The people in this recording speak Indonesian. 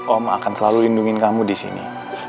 om akan selalu lindungi kamu di sini